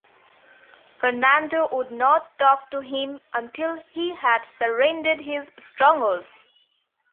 Fernando would not talk to him until he had surrendered his strongholds.